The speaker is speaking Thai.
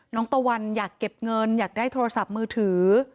ตะวันอยากเก็บเงินอยากได้โทรศัพท์มือถือ